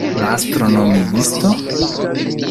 La astronomiisto?